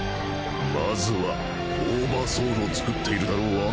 まずはオーバーソウルを作っているだろう